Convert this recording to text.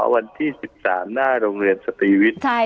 วันที่๑๓หน้าโรงเรียนสตรีวิทย์